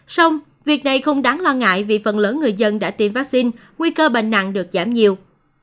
xong việc này không đáng lo ngại vì phần lớn người dân đã tiêm vaccine nguy cơ bệnh nặng được giảm nhiều